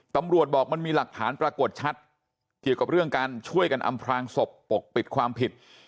ตำรวจบอกมันมีหลักฐานปรากฏชัดเกี่ยวกับเรื่องการช่วยกันอำพลางศพปกปิดความผิด